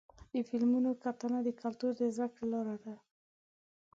د فلمونو کتنه د کلتور د زدهکړې لاره ده.